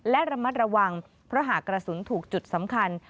และระมัดระวังเพราะหากกระสุนถูกจุดสำคัญ